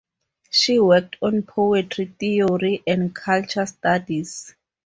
She worked on poetry theory and culture studies.